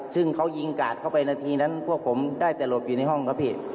ซึ่งเขายิงกาดเข้าไปนาทีนั้นพวกผมได้แต่หลบอยู่ในห้องครับพี่